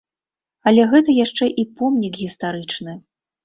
Але гэта яшчэ і помнік гістарычны.